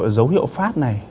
dấu hiệu phát này